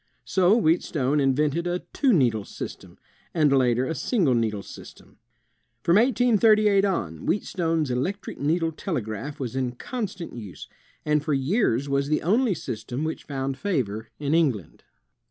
So Wheatstone invented a two needle system, and later a single needle system. From 1838 on, Wheatstone's electric needle telegraph was in constant use, and for years was the only system which found favor in England.